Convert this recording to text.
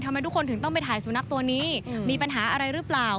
ทำไมทุกคนถึงต้องไปถ่ายสุนัขตัวนี้มีปัญหาอะไรหรือเปล่า